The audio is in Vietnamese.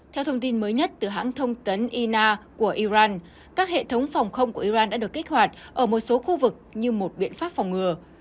theo thông tin mới nhất từ hãng thông tấn ina của iran các hệ thống phòng không của iran đã được kích hoạt ở một số khu vực như một biện pháp phòng ngừa